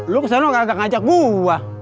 lo kesana ngajak gue